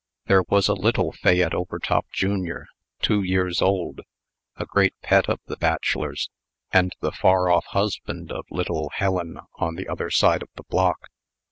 There was a little Fayette Overtop, jr., two years old, a great pet of the bachelors, and the far off husband of little Helen, on the other side of the block.